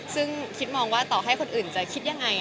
ซึ่งคิดมองว่าต่อให้คนอื่นจะคิดยังไง